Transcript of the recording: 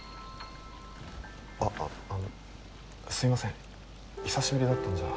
あっあのすいません久しぶりだったんじゃ。